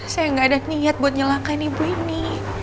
saya gak ada niat buat nyelangkan ibu ini